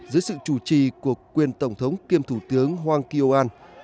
dưới sự chủ trì của quyền tổng thống kiêm thủ tướng hwang kyo an